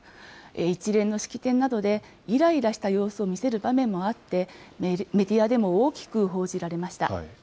一連の式典などでいらいらした様子を見せる場面もあって、メディアでも大きく報じられました。